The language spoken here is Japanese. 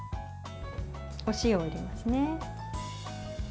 お塩を入れますね。